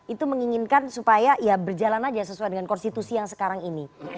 itu menginginkan supaya ya berjalan aja sesuai dengan konstitusi yang sekarang ini